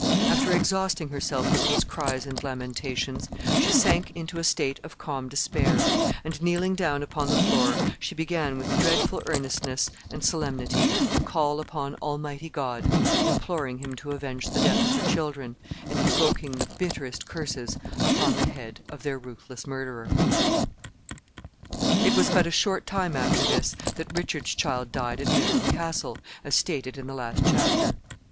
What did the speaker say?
After exhausting herself with these cries and lamentations, she sank into a state of calm despair, and, kneeling down upon the floor, she began, with dreadful earnestness and solemnity, to call upon Almighty God, imploring him to avenge the death of her children, and invoking the bitterest curses upon the head of their ruthless murderer. [Illustration: QUEEN ELIZABETH AT THE GRAVE OF HER CHILDREN.] It was but a short time after this that Richard's child died at Middleham Castle, as stated in the last chapter.